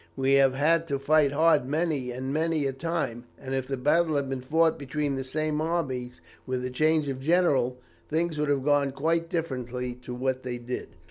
We have had to fight hard many and many a time, and if the battle had been fought between the same armies with a change of generals, things would have gone quite differently to what they did."